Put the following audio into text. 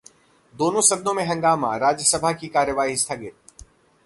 दोनों सदनों में हंगामा, राज्यसभा की कार्यवाही स्थगित